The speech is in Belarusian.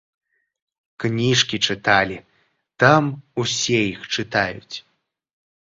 Кніжкі чыталі, там усе іх чытаюць.